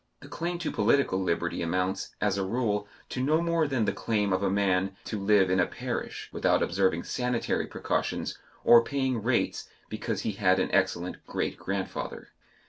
The claim to political liberty amounts, as a rule, to no more than the claim of a man to live in a parish without observing sanitary precautions or paying rates because he had an excellent great grandfather.